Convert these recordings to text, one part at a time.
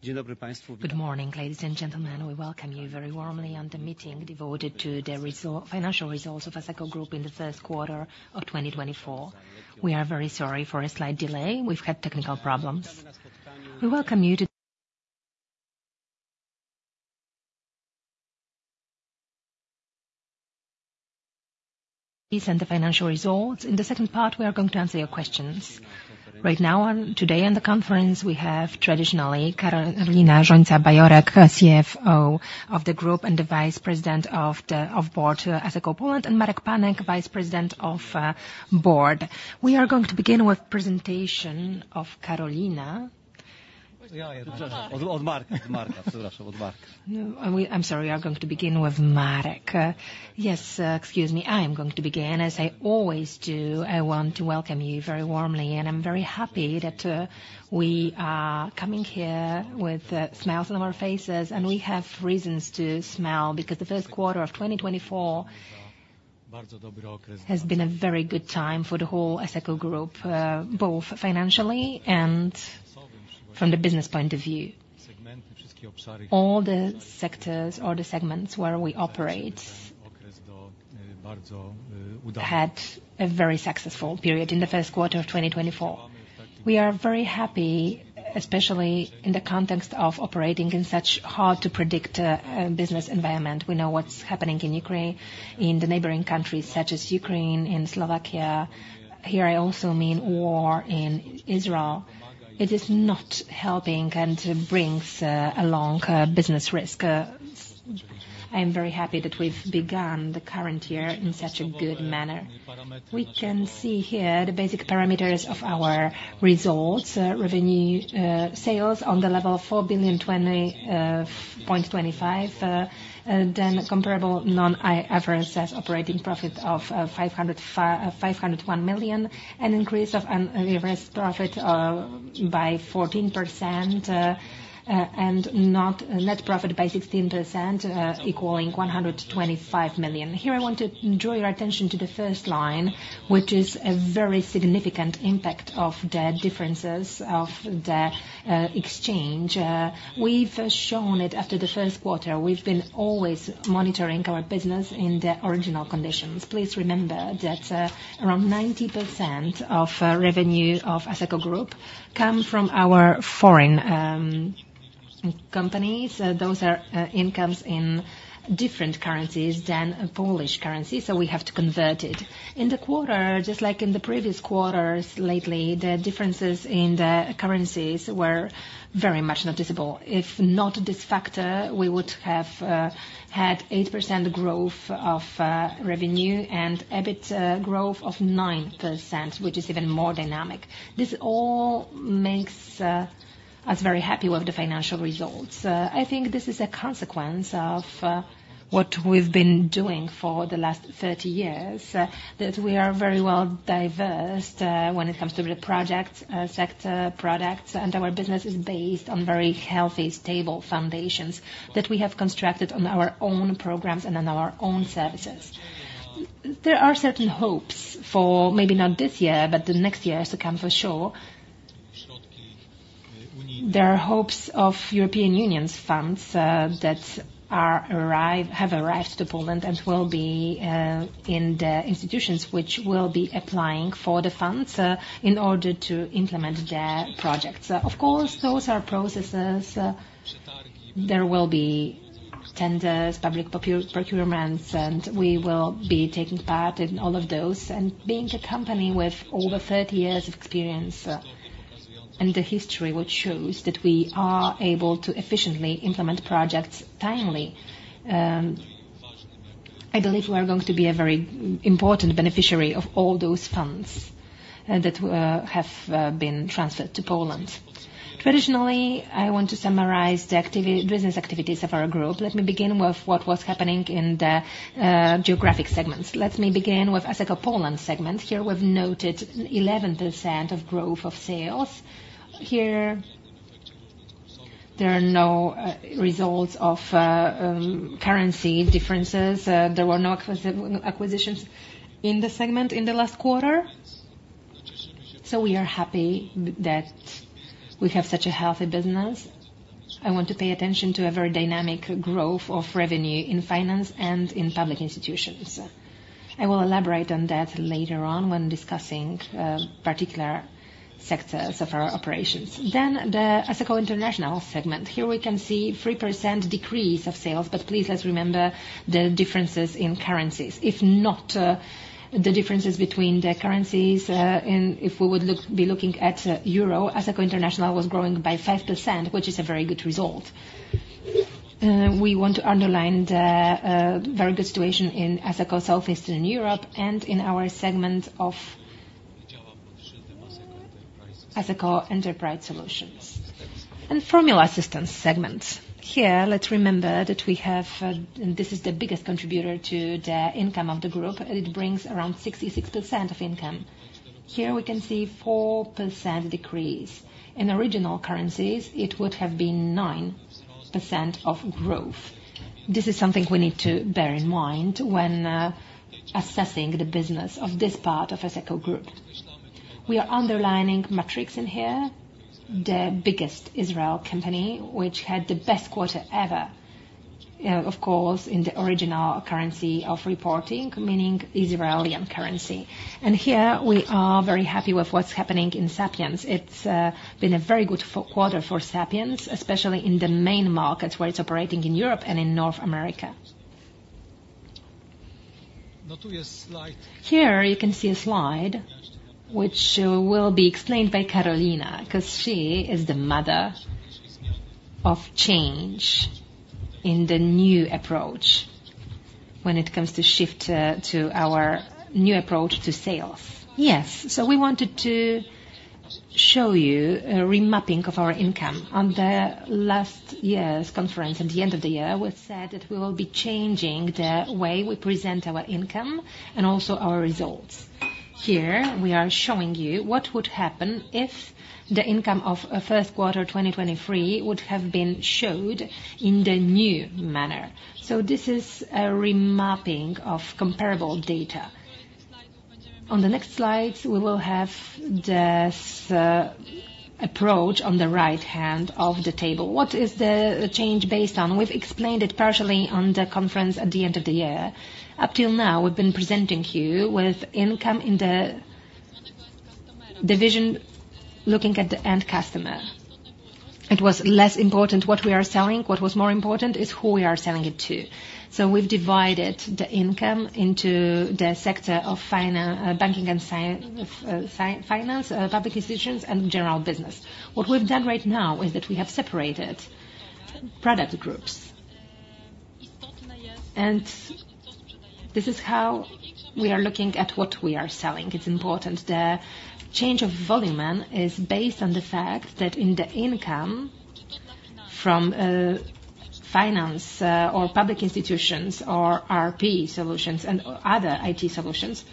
Good morning, ladies and gentlemen. We welcome you very warmly to the meeting devoted to the financial results of Asseco Group in the first quarter of 2024. We are very sorry for a slight delay. We've had technical problems. We welcome you to the financial results. In the second part, we are going to answer your questions. Right now, today in the conference, we have traditionally Karolina Rzońca-Bajorek, CFO of the Group, and the Vice President of the Board of Asseco Poland, and Marek Panek, Vice President of the Board. We are going to begin with presentation of Karolina. I'm sorry, we are going to begin with Marek. Excuse me, I am going to begin. As I always do, I want to welcome you very warmly, and I'm very happy that we are coming here with smiles on our faces, and we have reasons to smile, because the first quarter of 2024 has been a very good time for the whole Asseco Group, both financially and from the business point of view. All the sectors, all the segments where we operate, had a very successful period in the first quarter of 2024. We are very happy, especially in the context of operating in such hard-to-predict business environment. We know what's happening in Ukraine, in the neighboring countries, such as Ukraine, in Slovakia. Here, I also mean war in Israel. It is not helping and brings along business risk. I'm very happy that we've begun the current year in such a good manner. We can see here the basic parameters of our results, revenue, sales on the level 4,020.25 million. Then comparable non-IFRS as operating profit of 501 million, an increase of non-IFRS profit by 14%, and net profit by 16%, equaling 125 million. Here, I want to draw your attention to the first line, which is a very significant impact of the differences of the exchange. We've shown it after the first quarter. We've been always monitoring our business in the original conditions. Please remember that around 90% of revenue of Asseco Group come from our foreign companies. Those are incomes in different currencies than a Polish currency, so we have to convert it. In the quarter, just like in the previous quarters lately, the differences in the currencies were very much noticeable. If not this factor, we would have had 8% growth of revenue and EBIT growth of 9%, which is even more dynamic. This all makes us very happy with the financial results. I think this is a consequence of what we've been doing for the last 30 years, that we are very well diversified when it comes to the projects, sector, products, and our business is based on very healthy, stable foundations that we have constructed on our own programs and on our own services. There are certain hopes for maybe not this year, but the next years to come, for sure. There are hopes of European Union's funds that have arrived to Poland and will be in the institutions which will be applying for the funds in order to implement their projects. Of course, those are processes. There will be tenders, public procurements, and we will be taking part in all of those. Being a company with over 30 years of experience and the history which shows that we are able to efficiently implement projects timely, I believe we are going to be a very important beneficiary of all those funds that have been transferred to Poland. Traditionally, I want to summarize the business activities of our group. Let me begin with what was happening in the geographic segments. Let me begin with Asseco Poland segment. Here, we've noted 11% of growth of sales. Here, there are no results of currency differences. There were no acquisitions in the segment in the last quarter, so we are happy that we have such a healthy business. I want to pay attention to a very dynamic growth of revenue in finance and in public institutions. I will elaborate on that later on when discussing particular sectors of our operations. Then the Asseco International segment. Here, we can see 3% decrease of sales, but please, let's remember the differences in currencies. If not, the differences between the currencies, and if we would look, be looking at euro, Asseco International was growing by 5%, which is a very good result. We want to underline the very good situation in Asseco Southeastern Europe and in our segment of Asseco Enterprise Solutions. Formula Systems segment, here, let's remember that we have. This is the biggest contributor to the income of the group. It brings around 66% of income. Here, we can see 4% decrease. In original currencies, it would have been 9% growth. This is something we need to bear in mind when assessing the business of this part of Asseco Group. We are underlining metrics in here, the biggest Israeli company, which had the best quarter ever, of course, in the original currency of reporting, meaning Israeli currency. Here we are very happy with what's happening in Sapiens. It's been a very good quarter for Sapiens, especially in the main markets where it's operating in Europe and in North America. Here, you can see a slide which will be explained by Karolina, 'cause she is the mother of change in the new approach when it comes to shift to our new approach to sales. Yes. So we wanted to show you a remapping of our income. On the last year's conference, at the end of the year, we said that we will be changing the way we present our income and also our results. Here, we are showing you what would happen if the income of first quarter 2023 would have been showed in the new manner. So this is a remapping of comparable data. On the next slide, we will have this approach on the right hand of the table. What is the change based on? We've explained it partially on the conference at the end of the year. Up till now, we've been presenting you with income in the division, looking at the end customer. It was less important what we are selling. What was more important is who we are selling it to. So we've divided the income into the sector of financial, banking and insurance, public institutions, and general business. What we've done right now is that we have separated product groups. And this is how we are looking at what we are selling. It's important. The change of nomenclature is based on the fact that in the income from finance, or public institutions or ERP solutions and other IT solutions,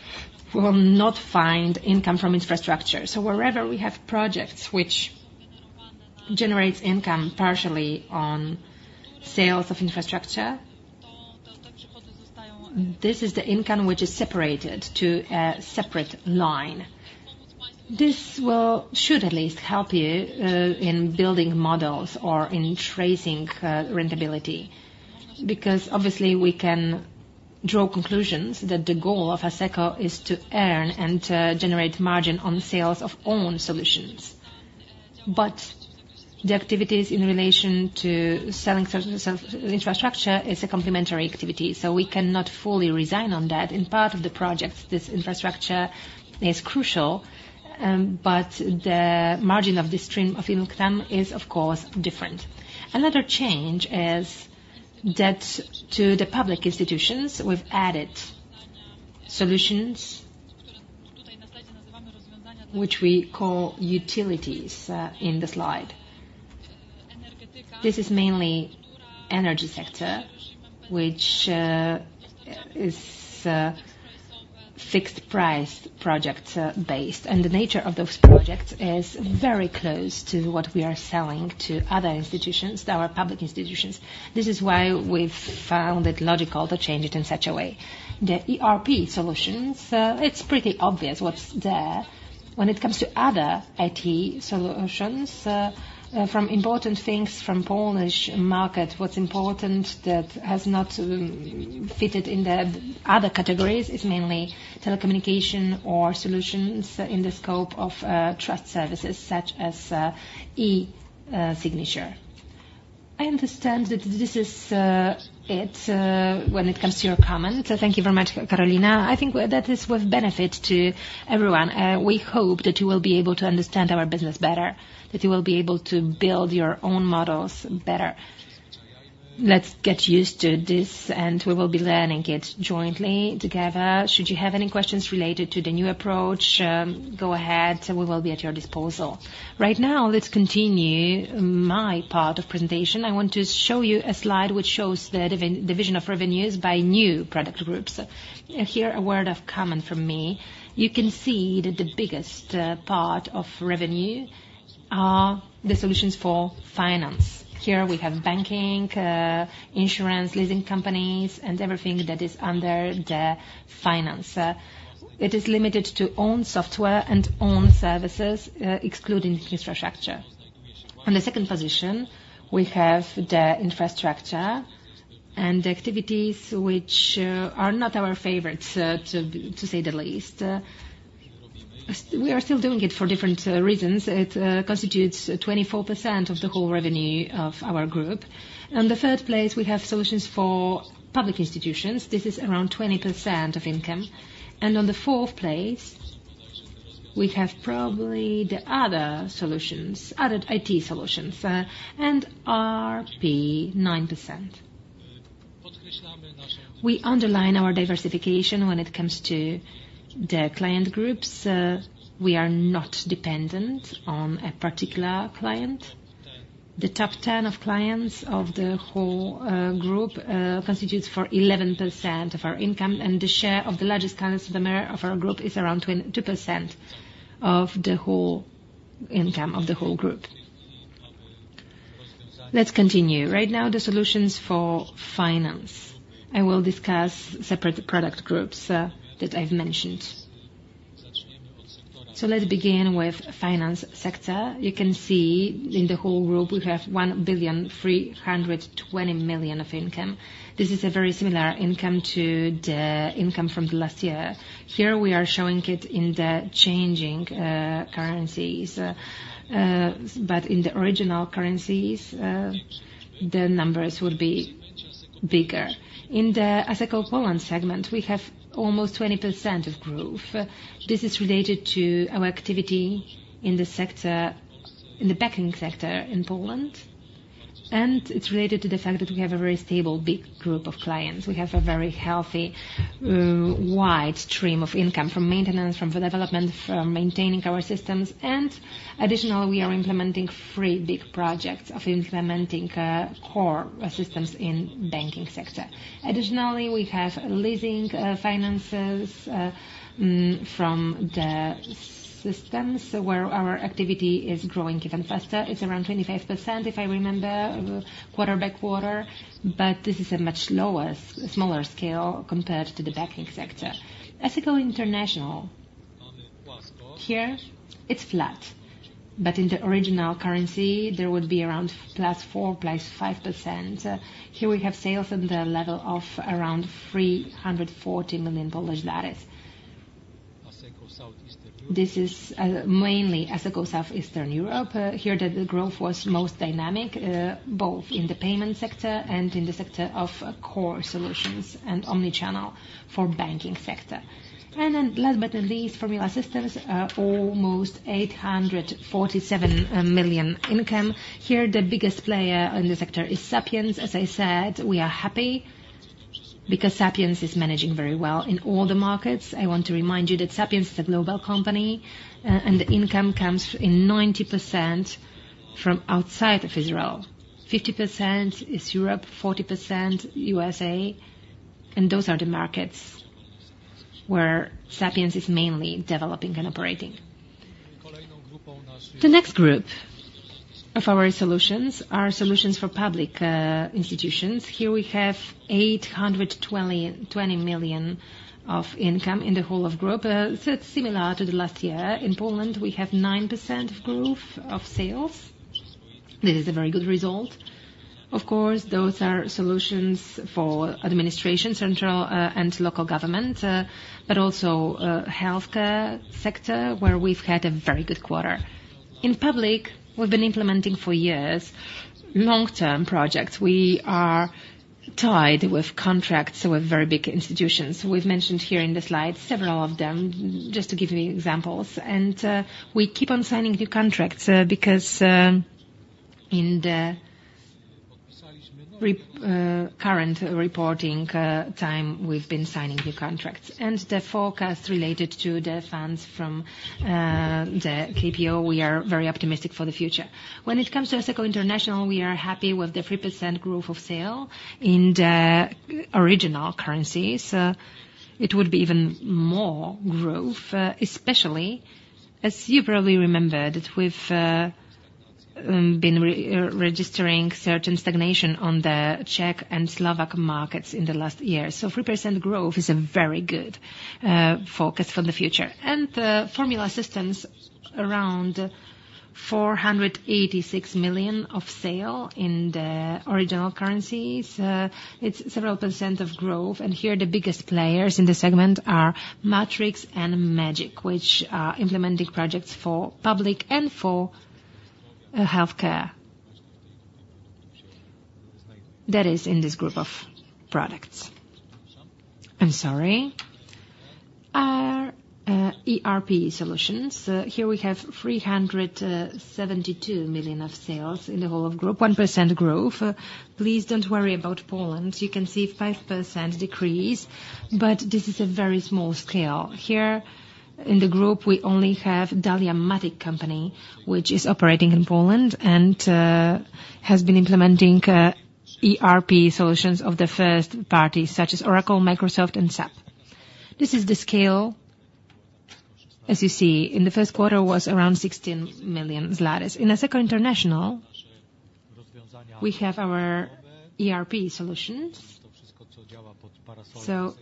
we will not find income from infrastructure. So wherever we have projects which generates income partially on sales of infrastructure, this is the income which is separated to a separate line. This will, should at least, help you in building models or in tracing profitability, because obviously, we can draw conclusions that the goal of Asseco is to earn and generate margin on sales of own solutions. But the activities in relation to selling certain infrastructure is a complementary activity, so we cannot fully resign on that. In part of the projects, this infrastructure is crucial, but the margin of this stream of income is, of course, different. Another change is that to the public institutions, we've added solutions which we call utilities in the slide. This is mainly energy sector, which is fixed price projects based, and the nature of those projects is very close to what we are selling to other institutions, our public institutions. This is why we've found it logical to change it in such a way. The ERP solutions, it's pretty obvious what's there. When it comes to other IT solutions, from important things from Polish market, what's important that has not fitted in the other categories is mainly telecommunication or solutions in the scope of, trust services, such as, e-signature. I understand that this is, it, when it comes to your comment. Thank you very much, Karolina. I think that this was benefit to everyone. We hope that you will be able to understand our business better, that you will be able to build your own models better. Let's get used to this, and we will be learning it jointly together. Should you have any questions related to the new approach, go ahead, we will be at your disposal. Right now, let's continue my part of presentation. I want to show you a slide which shows the division of revenues by new product groups. Here, a word of comment from me. You can see that the biggest part of revenue are the solutions for finance. Here we have banking, insurance, leasing companies, and everything that is under the finance. It is limited to own software and own services, excluding infrastructure. On the second position, we have the infrastructure and the activities which are not our favorites, to say the least. We are still doing it for different reasons. It constitutes 24% of the whole revenue of our group. On the third place, we have solutions for public institutions. This is around 20% of income. And on the fourth place, we have probably the other solutions, other IT solutions, and ERP, 9%. We underline our diversification when it comes to the client groups. We are not dependent on a particular client. The top 10 of clients of the whole group constitutes for 11% of our income, and the share of the largest clients, the major of our group, is around 2% of the whole income of the whole group. Let's continue. Right now, the solutions for finance. I will discuss separate product groups that I've mentioned. So let's begin with finance sector. You can see in the whole group, we have 1.32 billion of income. This is a very similar income to the income from the last year. Here, we are showing it in the changing currencies, but in the original currencies, the numbers would be bigger. In the Asseco Poland segment, we have almost 20% of growth. This is related to our activity in the sector, in the banking sector in Poland, and it's related to the fact that we have a very stable, big group of clients. We have a very healthy, wide stream of income from maintenance, from development, from maintaining our systems, and additionally, we are implementing three big projects of implementing, core systems in banking sector. Additionally, we have leasing, finances, from the systems where our activity is growing even faster. It's around 25%, if I remember, quarter by quarter, but this is a much lower, smaller scale compared to the banking sector. Asseco International. Here, it's flat, but in the original currency, there would be around plus 4, plus 5%. Here, we have sales at the level of around PLN 340 million. This is, mainly Asseco South Eastern Europe. Here, the growth was most dynamic, both in the payment sector and in the sector of core solutions and omni-channel for banking sector. And then last but not least, Formula Systems, almost 847 million income. Here, the biggest player in the sector is Sapiens. As I said, we are happy because Sapiens is managing very well in all the markets. I want to remind you that Sapiens is a global company, and the income comes in 90% from outside of Israel. 50% is Europe, 40% USA, and those are the markets where Sapiens is mainly developing and operating. The next group of our solutions are solutions for public institutions. Here we have 820 million of income in the whole of group. So it's similar to the last year. In Poland, we have 9% of growth of sales. This is a very good result. Of course, those are solutions for administration, central, and local government, but also, healthcare sector, where we've had a very good quarter. In public, we've been implementing for years long-term projects. We are tied with contracts with very big institutions. We've mentioned here in the slide, several of them, just to give you examples. We keep on signing new contracts, because, in the current reporting time, we've been signing new contracts. The forecast related to the funds from the KPO, we are very optimistic for the future. When it comes to Asseco International, we are happy with the 3% growth of sale in the original currencies. It would be even more growth, especially as you probably remembered, we've been registering certain stagnation on the Czech and Slovak markets in the last year. So 3% growth is a very good focus for the future. The Formula Systems, around 486 million of sale in the original currencies. It's several percent of growth, and here, the biggest players in this segment are Matrix and Magic, which are implementing projects for public and for healthcare. That is in this group of products. I'm sorry. Our ERP solutions. Here we have 372 million of sales in the whole of group, 1% growth. Please don't worry about Poland. You can see 5% decrease, but this is a very small scale. Here in the group, we only have DahliaMatic company, which is operating in Poland and has been implementing ERP solutions of the first party, such as Oracle, Microsoft, and SAP. This is the scale. As you see, in the first quarter was around 16 million. In Asseco International, we have our ERP solutions. So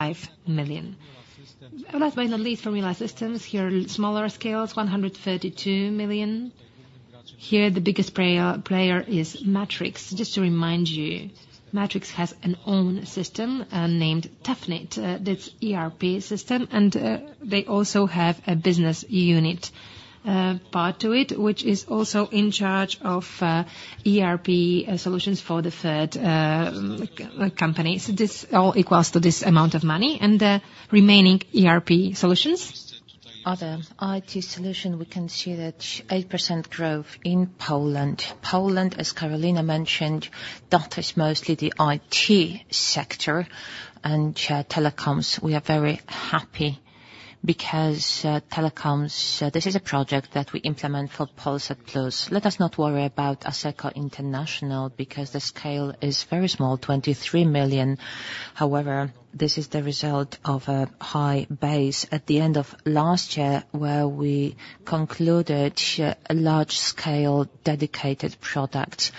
5 million. Last but not least, Formula Systems, here, smaller scales, 132 million. Here, the biggest player is Matrix. Just to remind you, Matrix has an own system named Tafnit. That's ERP system, and they also have a business unit part to it, which is also in charge of ERP solutions for the third companies. This all equals to this amount of money, and the remaining ERP solutions?... Other IT solution, we can see that 8% growth in Poland. Poland, as Karolina mentioned, that is mostly the IT sector and telecoms. We are very happy because telecoms, this is a project that we implement for Polsat Plus. Let us not worry about Asseco International, because the scale is very small, 23 million. However, this is the result of a high base at the end of last year, where we concluded a large-scale dedicated product.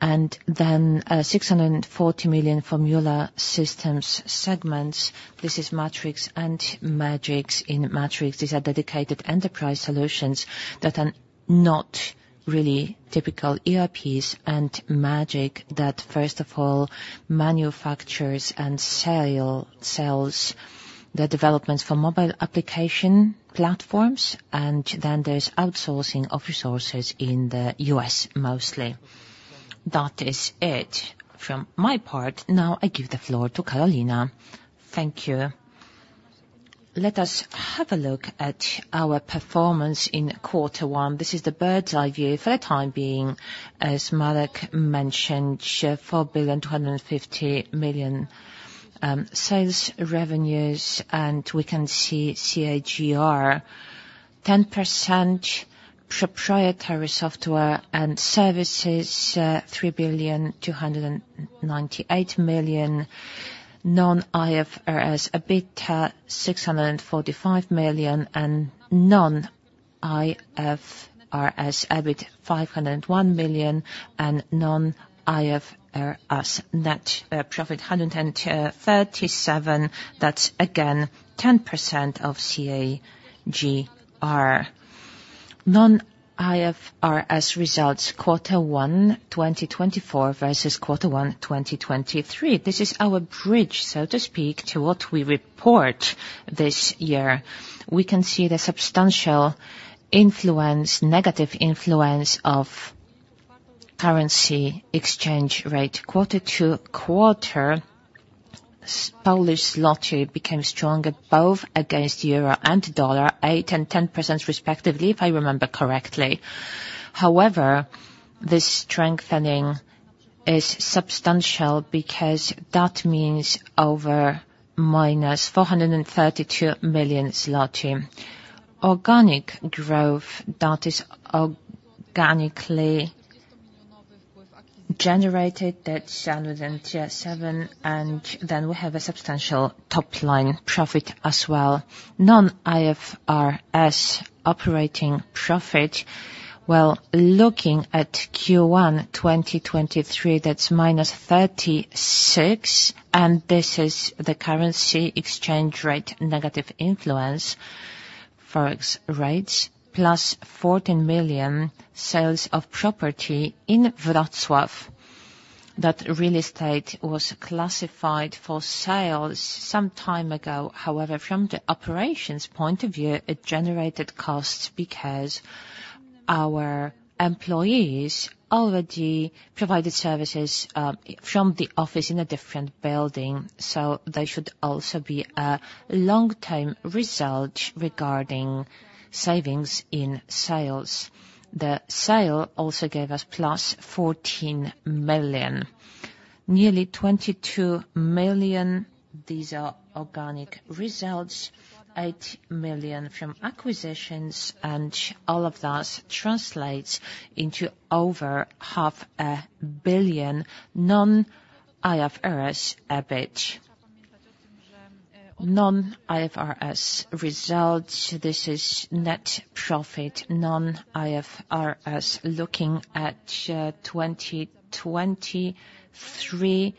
And then, six hundred and forty million from Formula Systems segments. This is Matrix and Magic. In Matrix, these are dedicated enterprise solutions that are not really typical ERPs, and Magic, that first of all manufactures and sells the developments for mobile application platforms, and then there's outsourcing of resources in the U.S., mostly. That is it from my part. Now, I give the floor to Karolina. Thank you. Let us have a look at our performance in quarter one. This is the bird's eye view for the time being. As Marek mentioned, 4,250 million sales revenues, and we can see 10% CAGR. 10% proprietary software and services, 3,298 million. Non-IFRS EBITDA, 645 million, and non-IFRS EBIT, 501 million, and non-IFRS net profit, 137 million. That's again, 10% CAGR. Non-IFRS results, quarter one, 2024 versus quarter one, 2023. This is our bridge, so to speak, to what we report this year. We can see the substantial influence, negative influence of currency exchange rate. Quarter to quarter, Polish zloty became stronger, both against euro and dollar, 8% and 10% respectively, if I remember correctly. However, this strengthening is substantial because that means over -432 million zloty. Organic growth, that is organically generated, that's 707 million, and then we have a substantial top line profit as well. Non-IFRS operating profit, well, looking at Q1 2023, that's -36 million, and this is the currency exchange rate negative influence, Forex rates, plus 14 million sales of property in Wrocław. That real estate was classified for sales some time ago. However, from the operations point of view, it generated costs because our employees already provided services from the office in a different building, so there should also be a long-term result regarding savings in sales. The sale also gave us plus 14 million. Nearly 22 million, these are organic results, 8 million from acquisitions, and all of that translates into over 500 million non-IFRS EBIT. Non-IFRS results, this is net profit, non-IFRS. Looking at 2023,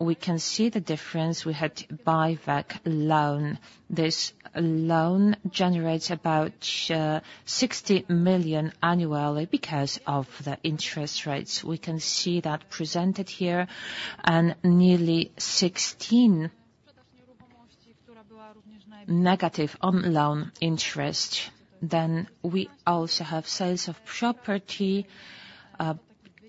we can see the difference. We had buyback loan. This loan generates about 60 million annually because of the interest rates. We can see that presented here, and nearly -16 million on loan interest. Then we also have sales of property,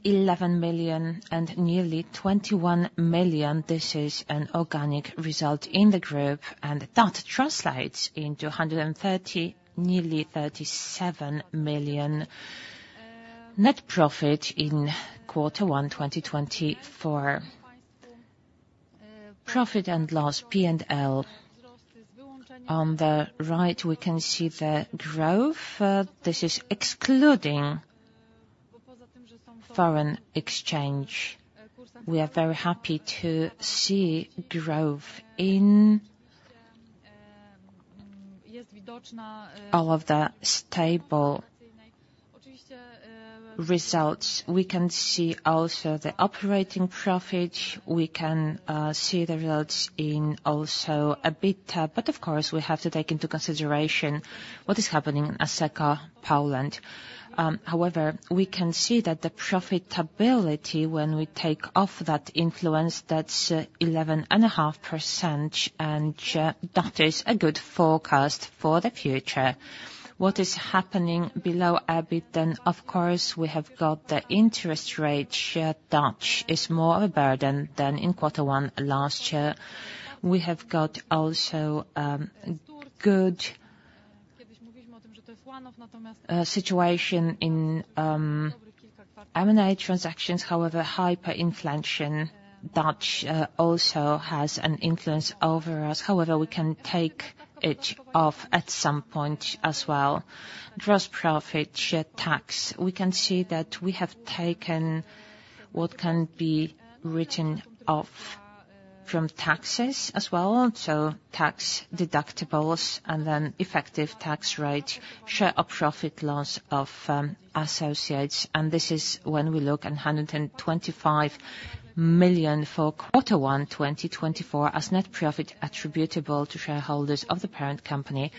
11 million and nearly 21 million. This is an organic result in the group, and that translates into 130, nearly 37 million net profit in quarter one, 2024. Profit and loss, P&L. On the right, we can see the growth. This is excluding foreign exchange. We are very happy to see growth in all of the stable results. We can see also the operating profit. We can see the results in also EBITDA, but of course, we have to take into consideration what is happening in Asseco Poland. However, we can see that the profitability, when we take off that influence, that's 11.5%, and that is a good forecast for the future. What is happening below EBIT then? Of course, we have got the interest rate share. That is more of a burden than in quarter one last year. We have got also good situation in M&A transactions, however, hyperinflation that also has an influence over us. However, we can take it off at some point as well. Gross profit, share tax, we can see that we have taken what can be written off from taxes as well, so tax deductibles and then effective tax rate, share of profit loss of associates. This is when we look at 125 million for quarter one, 2024 as net profit attributable to shareholders of the parent company.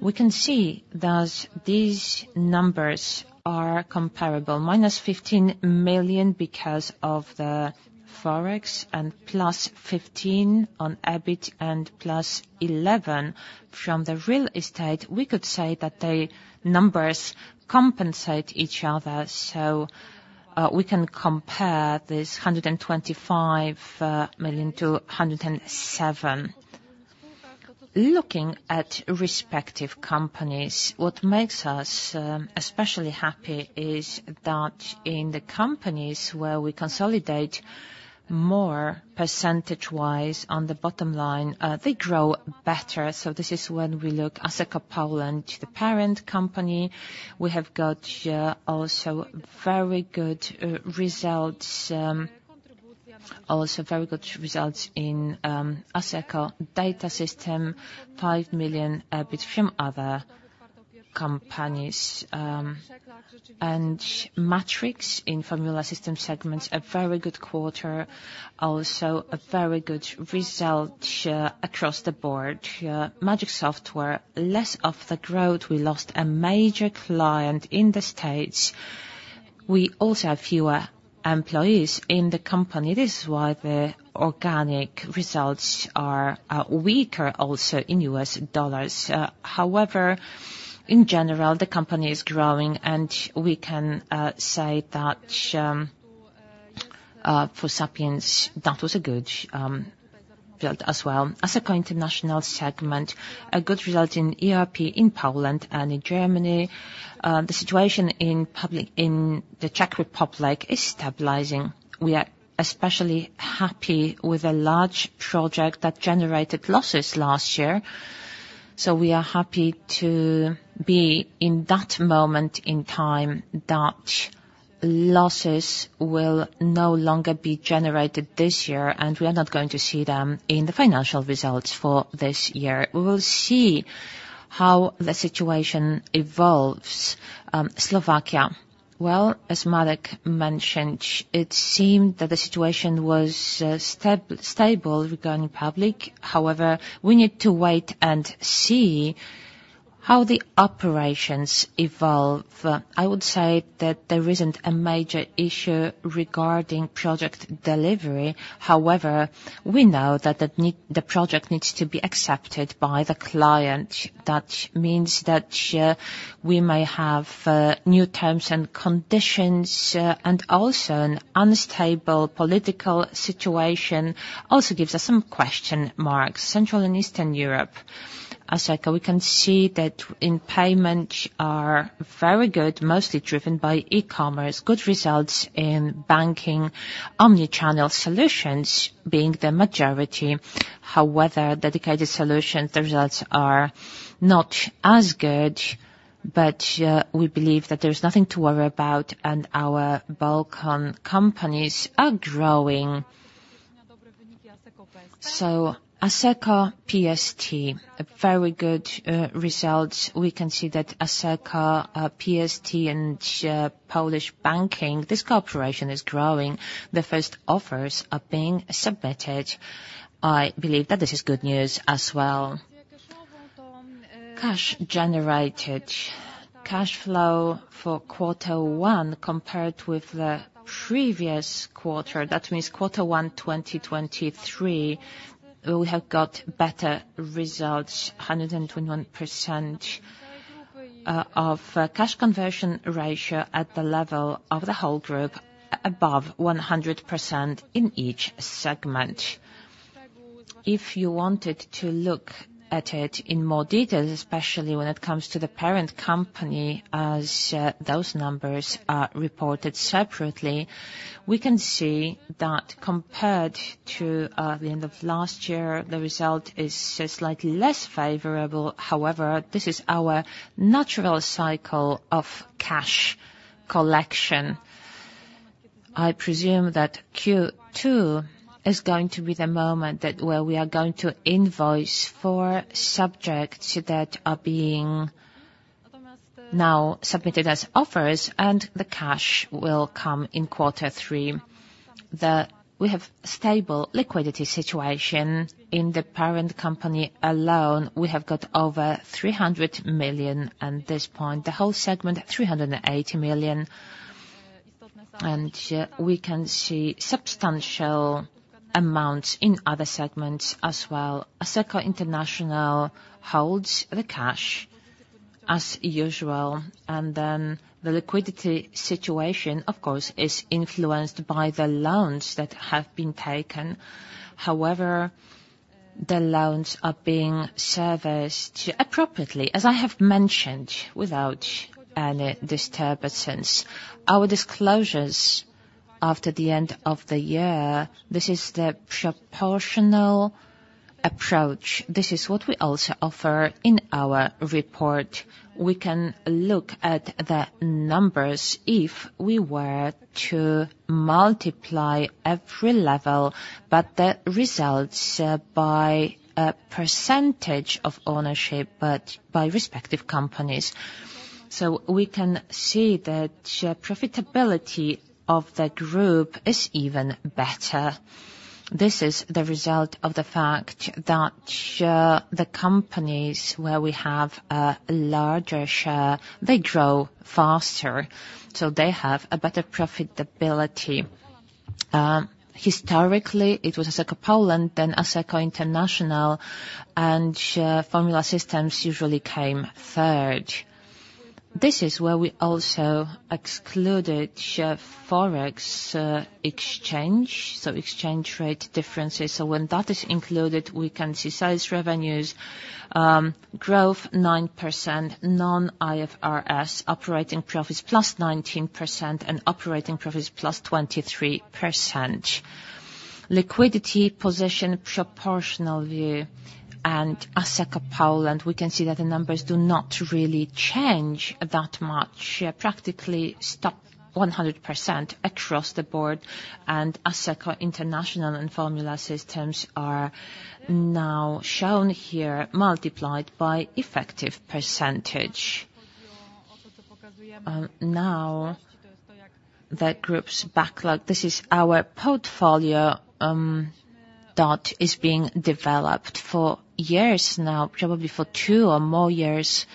We can see that these numbers are comparable, minus 15 million because of the Forex, and plus 15 million on EBIT, and plus 11 million from the real estate. We could say that the numbers compensate each other, so we can compare this 125 million to 107. Looking at respective companies, what makes us especially happy is that in the companies where we consolidate more percentage-wise on the bottom line, they grow better. So this is when we look Asseco Poland, the parent company. We have got also very good results also very good results in Asseco Data Systems, 5 million EBIT from other companies. Matrix in Formula Systems segments, a very good quarter, also a very good result, across the board. Magic Software, less of the growth, we lost a major client in the States. We also have fewer employees in the company. This is why the organic results are weaker also in US dollars. However, in general, the company is growing, and we can say that for Sapiens, that was a good build as well. Asseco International segment, a good result in ERP, in Poland and in Germany. The situation in the public sector in the Czech Republic is stabilizing. We are especially happy with a large project that generated losses last year. So we are happy to be in that moment in time that losses will no longer be generated this year, and we are not going to see them in the financial results for this year. We will see how the situation evolves. Slovakia, well, as Marek mentioned, it seemed that the situation was stable regarding public. However, we need to wait and see how the operations evolve. I would say that there isn't a major issue regarding project delivery. However, we know that the project needs to be accepted by the client. That means that we may have new terms and conditions, and also an unstable political situation also gives us some question marks. Central and Eastern Europe, Asseco, we can see that in payments are very good, mostly driven by e-commerce. Good results in banking, omni-channel solutions being the majority. However, dedicated solutions, the results are not as good, but, we believe that there is nothing to worry about, and our Balkan companies are growing. So Asseco PST, a very good, result. We can see that Asseco, PST and, Polish banking, this cooperation is growing. The first offers are being submitted. I believe that this is good news as well. Cash generated, cash flow for quarter one, compared with the previous quarter, that means quarter one, 2023, we have got better results, 121%, of cash conversion ratio at the level of the whole group, above 100% in each segment. If you wanted to look at it in more detail, especially when it comes to the parent company, as those numbers are reported separately, we can see that compared to the end of last year, the result is slightly less favorable. However, this is our natural cycle of cash collection. I presume that Q2 is going to be the moment that where we are going to invoice four subjects that are being now submitted as offers, and the cash will come in quarter three. We have stable liquidity situation. In the parent company alone, we have got over 300 million at this point, the whole segment, 380 million. And, we can see substantial amounts in other segments as well. Asseco International holds the cash as usual, and then the liquidity situation, of course, is influenced by the loans that have been taken. However, the loans are being serviced appropriately, as I have mentioned, without any disturbances. Our disclosures after the end of the year, this is the proportional approach. This is what we also offer in our report. We can look at the numbers if we were to multiply every level, but the results, by a percentage of ownership, but by respective companies. So we can see that, profitability of the group is even better. This is the result of the fact that, the companies where we have a larger share, they grow faster, so they have a better profitability. Historically, it was Asseco Poland, then Asseco International, and, Formula Systems usually came third. This is where we also excluded, Forex, exchange, so exchange rate differences. So when that is included, we can see sales revenues growth 9%, non-IFRS operating profits +19%, and operating profits +23%. Liquidity position, proportional view, and Asseco Poland, we can see that the numbers do not really change that much, practically stuck 100% across the board, and Asseco International and Formula Systems are now shown here, multiplied by effective percentage. Now, the group's backlog. This is our portfolio that is being developed. For years now, probably for two or more years,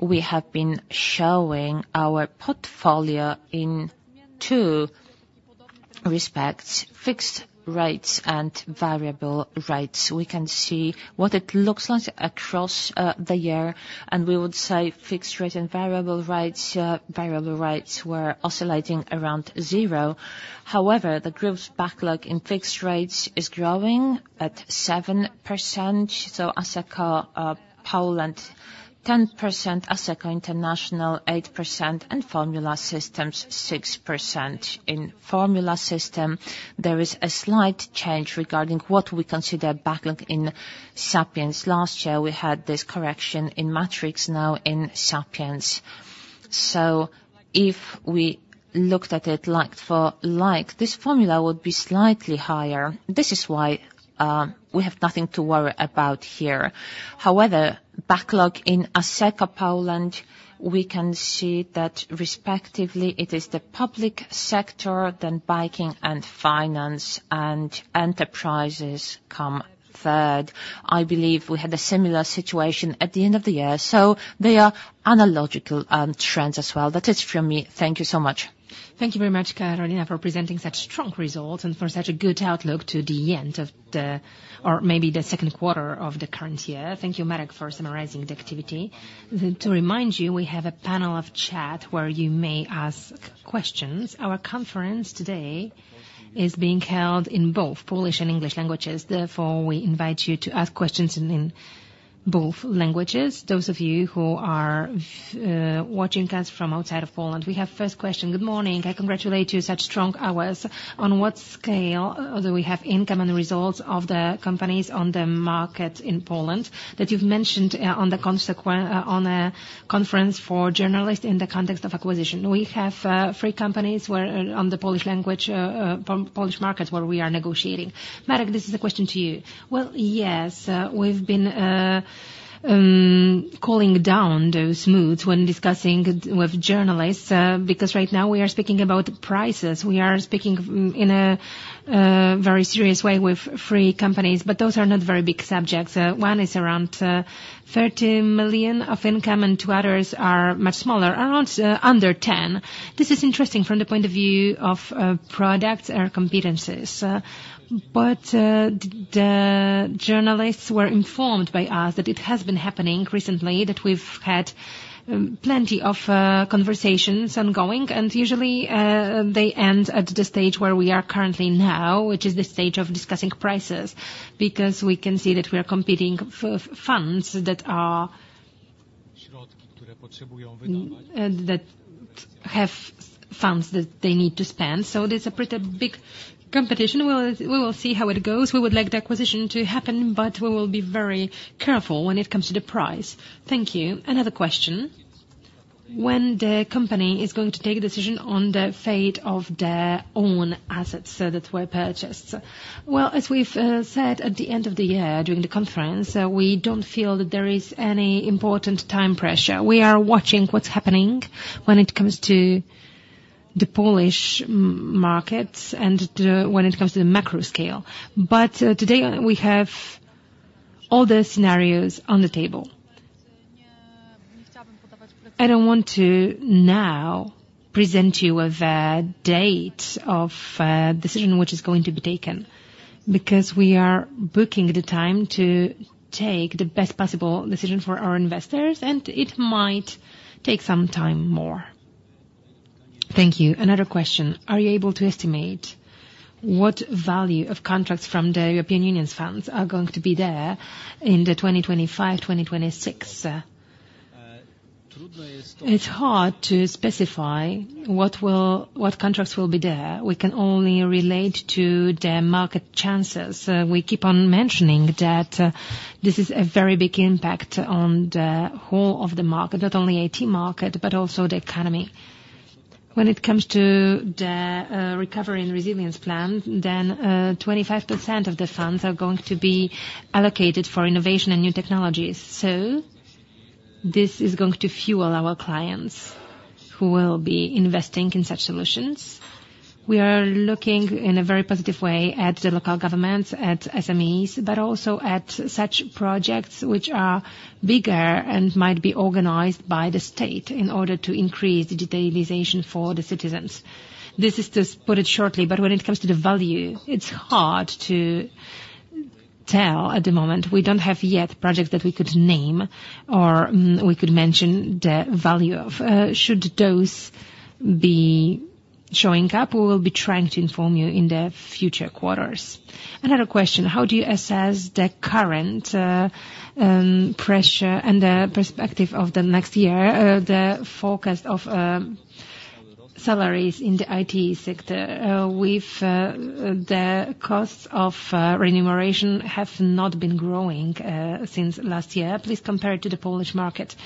we have been showing our portfolio in two respects: fixed rates and variable rates. We can see what it looks like across the year, and we would say fixed rate and variable rates, variable rates were oscillating around zero. However, the group's backlog in fixed rates is growing at 7%, so Asseco Poland, 10%, Asseco International, 8%, and Formula Systems, 6%. In Formula Systems, there is a slight change regarding what we consider backlog in Sapiens. Last year, we had this correction in Matrix, now in Sapiens. So if we looked at it like for like, this formula would be slightly higher. This is why, we have nothing to worry about here. However, backlog in Asseco Poland, we can see that respectively, it is the public sector, then banking and finance, and enterprises come third. I believe we had a similar situation at the end of the year, so they are analogous, trends as well. That is from me. Thank you so much. Thank you very much, Karolina, for presenting such strong results and for such a good outlook to the end of the or maybe the second quarter of the current year. Thank you, Marek, for summarizing the activity. To remind you, we have a panel of chat where you may ask questions. Our conference today is being held in both Polish and English languages. Therefore, we invite you to ask questions in both languages, those of you who are watching us from outside of Poland. We have first question. Good morning. I congratulate you, such strong hours. On what scale, although we have income and results of the companies on the market in Poland, that you've mentioned on a conference for journalists in the context of acquisition. We have three companies where, on the Polish language, Polish market, where we are negotiating. Marek, this is a question to you. Well, yes, we've been calling down those moods when discussing with journalists, because right now we are speaking about prices. We are speaking in a very serious way with three companies, but those are not very big subjects. One is around 30 million of income, and two others are much smaller, around under 10. This is interesting from the point of view of products or competencies. But the journalists were informed by us that it has been happening recently, that we've had plenty of conversations ongoing, and usually they end at the stage where we are currently now, which is the stage of discussing prices, because we can see that we are competing for funds that are that have funds that they need to spend, so there's a pretty big competition. We will, we will see how it goes. We would like the acquisition to happen, but we will be very careful when it comes to the price. Thank you. Another question: When the company is going to take a decision on the fate of their own assets that were purchased? Well, as we've said at the end of the year, during the conference, we don't feel that there is any important time pressure. We are watching what's happening when it comes to the Polish markets and, when it comes to the macro scale. But today we have all the scenarios on the table. I don't want to now present you with a date of a decision which is going to be taken, because we are booking the time to take the best possible decision for our investors, and it might take some time more. ...Thank you. Another question, are you able to estimate what value of contracts from the European Union's funds are going to be there in 2025, 2026? It's hard to specify what will—what contracts will be there. We can only relate to the market chances. We keep on mentioning that this is a very big impact on the whole of the market, not only IT market, but also the economy. When it comes to the recovery and resilience plan, then 25% of the funds are going to be allocated for innovation and new technologies. So this is going to fuel our clients who will be investing in such solutions. We are looking in a very positive way at the local governments, at SMEs, but also at such projects which are bigger and might be organized by the state in order to increase the digitalization for the citizens. This is to put it shortly, but when it comes to the value, it's hard to tell at the moment. We don't have yet projects that we could name or, we could mention the value of. Should those be showing up, we will be trying to inform you in the future quarters. Another question, how do you assess the current pressure and the perspective of the next year, the forecast of salaries in the IT sector? With the costs of remuneration have not been growing since last year, at least compared to the Polish market.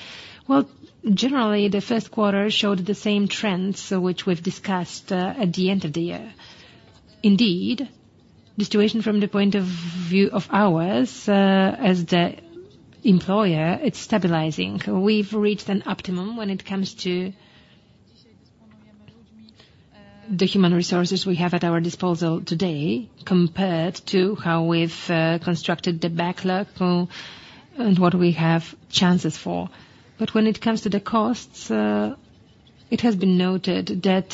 Well, generally, the first quarter showed the same trends which we've discussed at the end of the year. Indeed, the situation from the point of view of ours as the employer, it's stabilizing. We've reached an optimum when it comes to the human resources we have at our disposal today, compared to how we've constructed the backlog, and what we have chances for. But when it comes to the costs, it has been noted that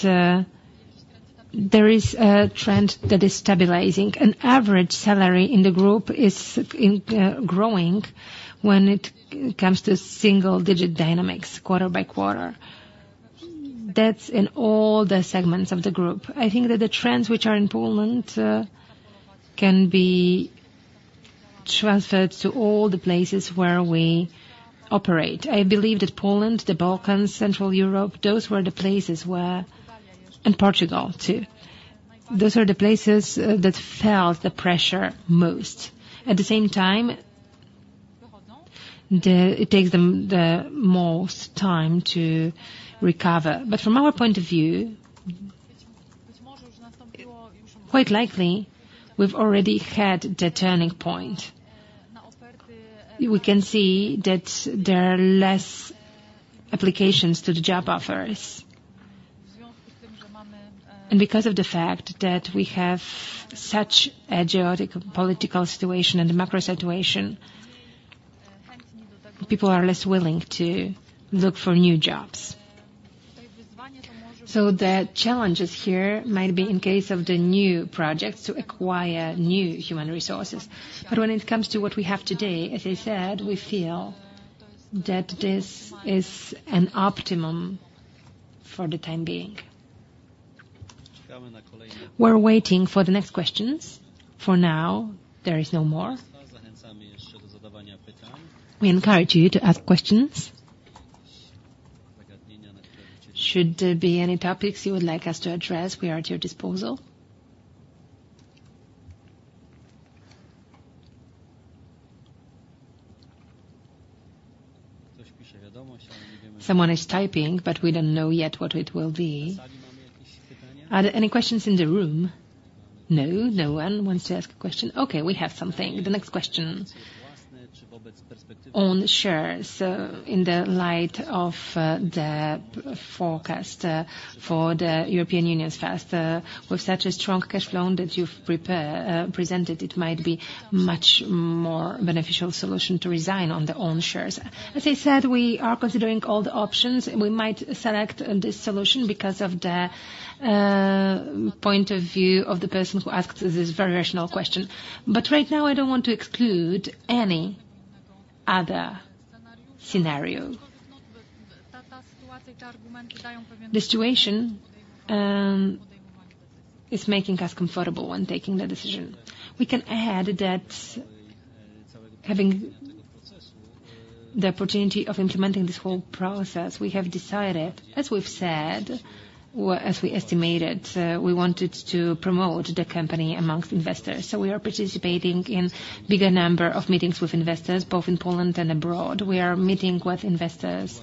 there is a trend that is stabilizing. An average salary in the group is growing when it comes to single-digit dynamics, quarter by quarter. That's in all the segments of the group. I think that the trends which are in Poland can be transferred to all the places where we operate. I believe that Poland, the Balkans, Central Europe, those were the places where... Portugal, too. Those are the places that felt the pressure most. At the same time, it takes them the most time to recover. But from our point of view, quite likely, we've already had the turning point. We can see that there are less applications to the job offers. And because of the fact that we have such a geopolitical situation and a macro situation, people are less willing to look for new jobs. So the challenges here might be in case of the new projects to acquire new human resources. But when it comes to what we have today, as I said, we feel that this is an optimum for the time being. We're waiting for the next questions. For now, there is no more. We encourage you to ask questions. Should there be any topics you would like us to address, we are at your disposal. Someone is typing, but we don't know yet what it will be. Are there any questions in the room? No, no one wants to ask a question. Okay, we have something. The next question, on shares, in the light of the forecast for the European Union's first, with such a strong cash flow that you've prepared presented, it might be much more beneficial solution to resign on the own shares. As I said, we are considering all the options, and we might select this solution because of the point of view of the person who asked this very rational question. But right now, I don't want to exclude any other scenario. The situation is making us comfortable when taking the decision. We can add that having the opportunity of implementing this whole process, we have decided, as we've said, or as we estimated, we wanted to promote the company amongst investors. So we are participating in bigger number of meetings with investors, both in Poland and abroad. We are meeting with investors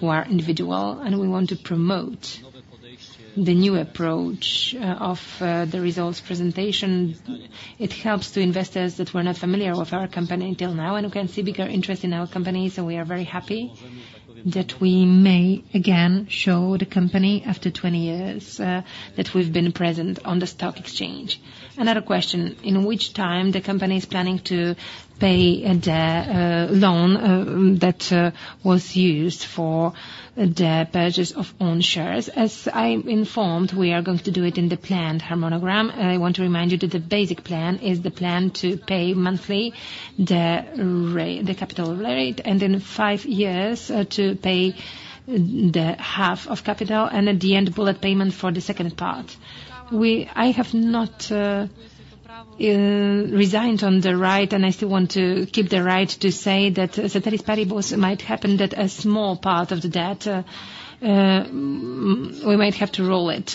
who are individual, and we want to promote the new approach, of, the results presentation. It helps to investors that were not familiar with our company until now, and we can see bigger interest in our company, so we are very happy that we may again show the company after 20 years, that we've been present on the stock exchange. Another question, in which time the company is planning to pay the, loan, that, was used for the purchase of own shares? As I'm informed, we are going to do it in the planned harmonogram. I want to remind you that the basic plan is the plan to pay monthly the the capital rate, and in 5 years, to pay the half of capital, and at the end, bullet payment for the second part. I have not resigned on the right, and I still want to keep the right to say that, that it is possible, it might happen that a small part of the debt, we might have to roll it.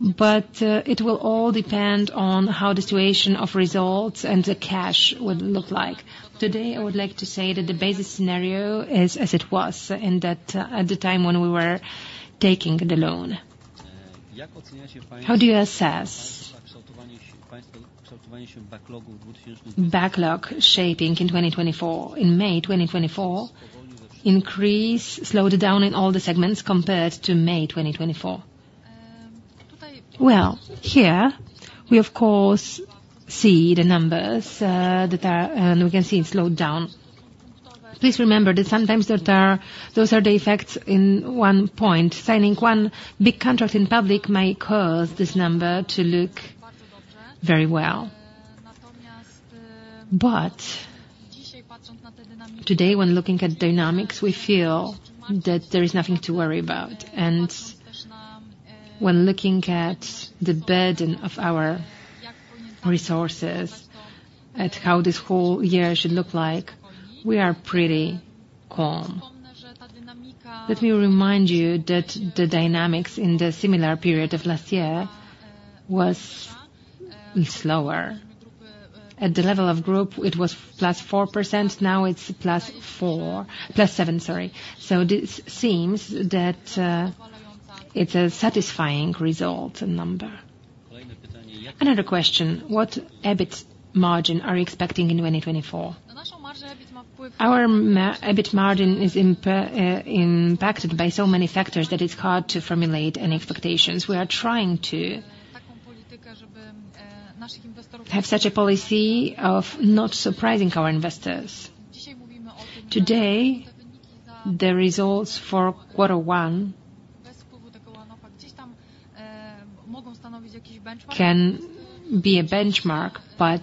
But, it will all depend on how the situation of results and the cash would look like. Today, I would like to say that the basic scenario is as it was, and that at the time when we were taking the loan. How do you assess backlog shaping in 2024? In May 2024, increase slowed down in all the segments compared to May 2024. Well, here, we of course see the numbers that are and we can see it slowed down. Please remember that sometimes those are the effects in one point. Signing one big contract in public may cause this number to look very well. But today, when looking at dynamics, we feel that there is nothing to worry about, and when looking at the burden of our resources, at how this whole year should look like, we are pretty calm. Let me remind you that the dynamics in the similar period of last year was slower. At the level of group, it was +4%, now it's +7%, sorry. So this seems that it's a satisfying result and number. Another question: What EBIT margin are you expecting in 2024? Our EBIT margin is impacted by so many factors that it's hard to formulate any expectations. We are trying to have such a policy of not surprising our investors. Today, the results for quarter one can be a benchmark, but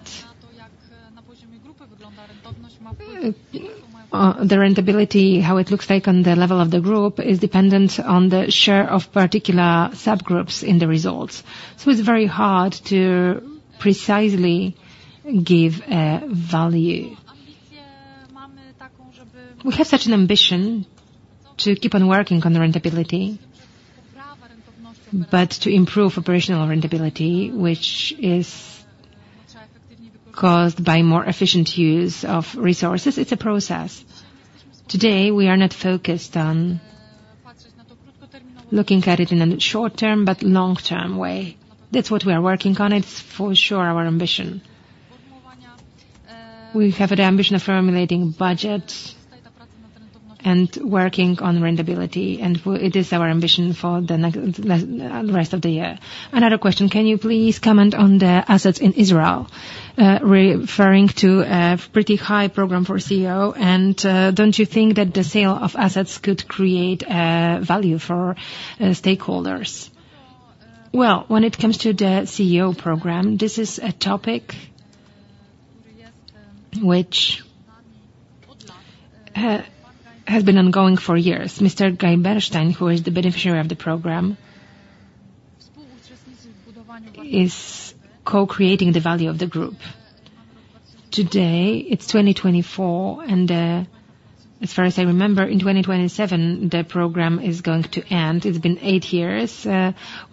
the profitability, how it looks like on the level of the group, is dependent on the share of particular subgroups in the results. So it's very hard to precisely give a value. We have such an ambition to keep on working on the profitability, but to improve operational profitability, which is caused by more efficient use of resources, it's a process. Today, we are not focused on looking at it in a short-term, but long-term way. That's what we are working on. It's for sure, our ambition. We have the ambition of formulating budgets and working on profitability, and it is our ambition for the next rest of the year. Another question, can you please comment on the assets in Israel, referring to a pretty high program for CEO? And, don't you think that the sale of assets could create, value for, stakeholders? Well, when it comes to the CEO program, this is a topic which, has been ongoing for years. Mr. Guy Bernstein, who is the beneficiary of the program, is co-creating the value of the group. Today, it's 2024, and, as far as I remember, in 2027, the program is going to end. It's been eight years.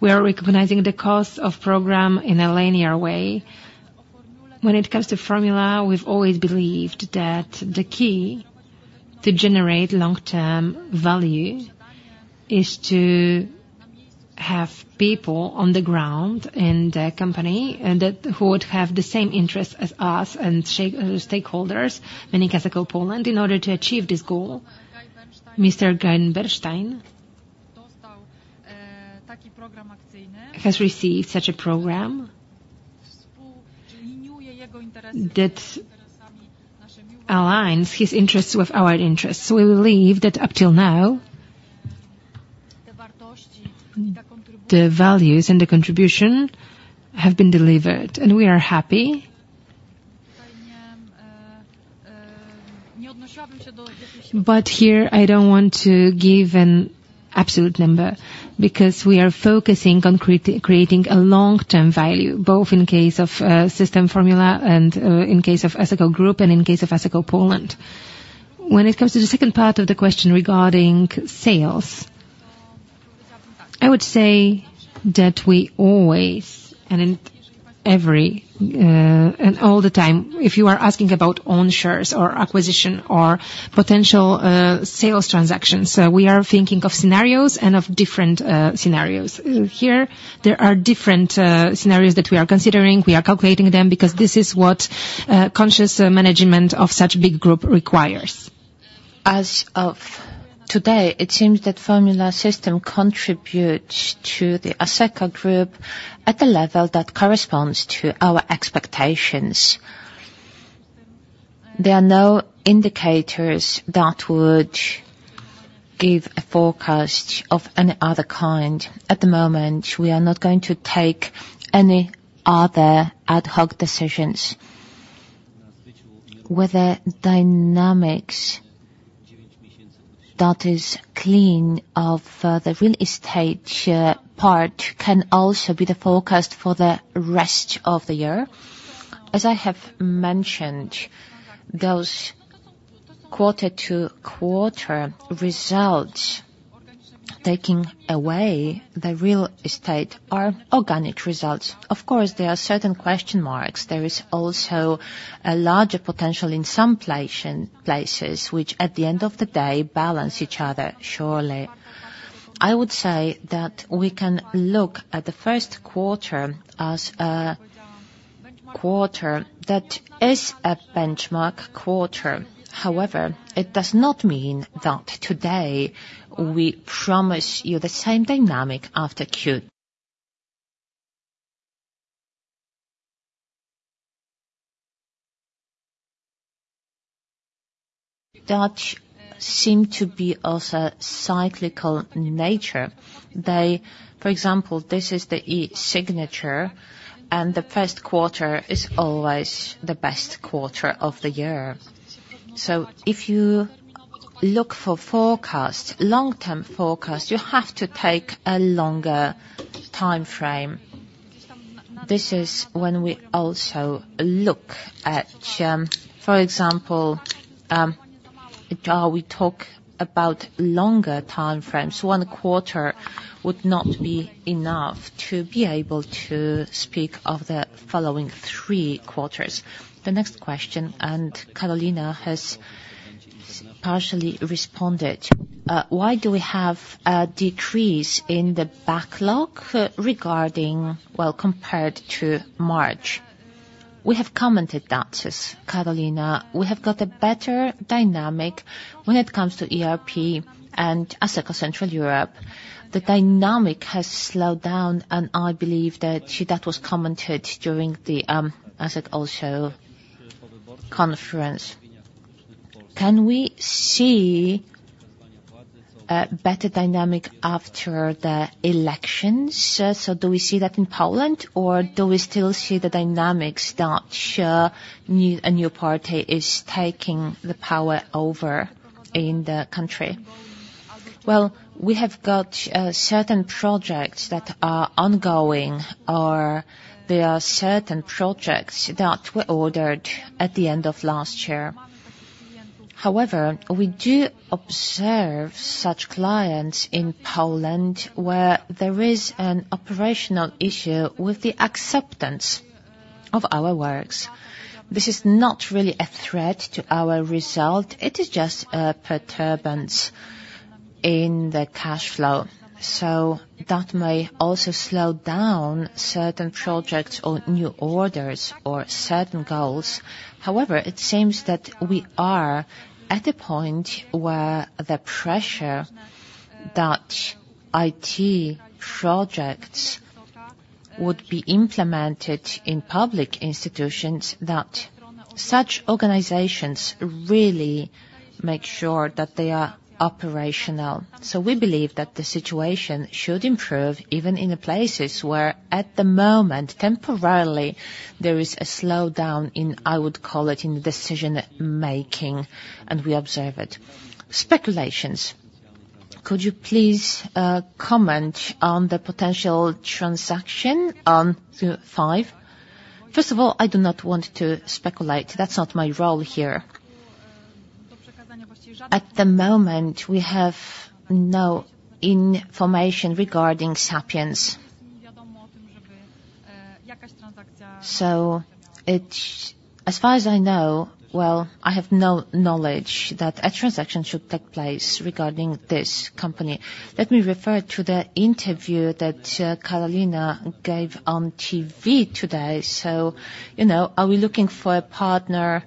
We are recognizing the cost of program in a linear way. When it comes to Formula, we've always believed that the key to generate long-term value is to have people on the ground in the company, and those who would have the same interest as us and share stakeholders in Asseco Poland, in order to achieve this goal, Mr. Guy Bernstein has received such a program that aligns his interests with our interests. We believe that up till now, the values and the contribution have been delivered, and we are happy. But here, I don't want to give an absolute number, because we are focusing on creating a long-term value, both in case of Formula Systems and in case of Asseco Group and in case of Asseco Poland. When it comes to the second part of the question regarding sales, I would say that we always, and in every, and all the time, if you are asking about own shares or acquisition or potential, sales transactions, we are thinking of scenarios and of different, scenarios. Here, there are different, scenarios that we are considering. We are calculating them because this is what, conscious management of such big group requires. As of today, it seems that Formula Systems contributes to the Asseco Group at a level that corresponds to our expectations. There are no indicators that would give a forecast of any other kind. At the moment, we are not going to take any other ad hoc decisions. Whether dynamics- ...that is clean of the real estate part can also be the forecast for the rest of the year? As I have mentioned, those quarter-to-quarter results, taking away the real estate, are organic results. Of course, there are certain question marks. There is also a larger potential in some locations, which at the end of the day, balance each other, surely. I would say that we can look at the first quarter as a quarter that is a benchmark quarter. However, it does not mean that today we promise you the same dynamic after Q. That seem to be of a cyclical nature. They, for example, this is the e-signature, and the first quarter is always the best quarter of the year. So if you look for forecast, long-term forecast, you have to take a longer time frame. This is when we also look at, for example, we talk about longer time frames. One quarter would not be enough to be able to speak of the following three quarters. The next question, and Karolina has partially responded. Why do we have a decrease in the backlog, regarding... Well, compared to March? We have commented that, as Karolina, we have got a better dynamic when it comes to ERP and Asseco Central Europe. The dynamic has slowed down, and I believe that that was commented during the Asseco show conference. Can we see a better dynamic after the elections? So do we see that in Poland, or do we still see the dynamics that a new party is taking the power over in the country? Well, we have got certain projects that are ongoing, or there are certain projects that were ordered at the end of last year. However, we do observe such clients in Poland, where there is an operational issue with the acceptance of our works. This is not really a threat to our result; it is just a perturbation in the cash flow. So that may also slow down certain projects or new orders or certain goals. However, it seems that we are at a point where the pressure that IT projects would be implemented in public institutions, that such organizations really make sure that they are operational. So we believe that the situation should improve, even in the places where, at the moment, temporarily, there is a slowdown in, I would call it, in decision-making, and we observe it. Speculations. Could you please comment on the potential transaction on the five? First of all, I do not want to speculate. That's not my role here. At the moment, we have no information regarding Sapiens. So it's -- as far as I know, well, I have no knowledge that a transaction should take place regarding this company. Let me refer to the interview that Karolina gave on TV today. So, you know, are we looking for a partner?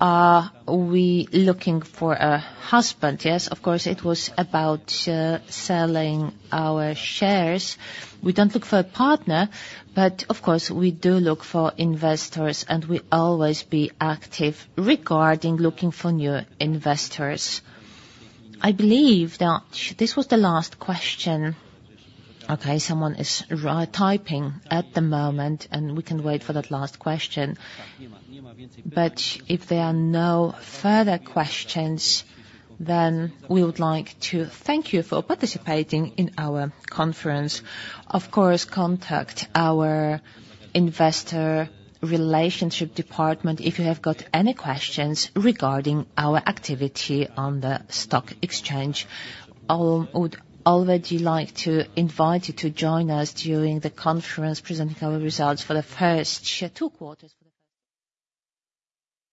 Are we looking for a husband? Yes, of course, it was about selling our shares. We don't look for a partner, but of course, we do look for investors, and we always be active regarding looking for new investors. I believe that this was the last question. Okay, someone is typing at the moment, and we can wait for that last question. But if there are no further questions, then we would like to thank you for participating in our conference. Of course, contact our investor relationship department if you have got any questions regarding our activity on the stock exchange. I would already like to invite you to join us during the conference, presenting our results for the first two quarters for the first-